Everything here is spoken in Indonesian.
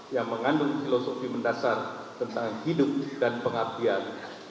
yang mengandung filosofi mendasar tentang hidup dan pengabdian